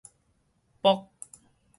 鑮